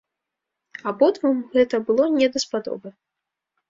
Абодвум гэта было не даспадобы.